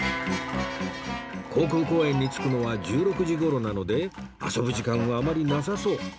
航空公園に着くのは１６時頃なので遊ぶ時間はあまりなさそう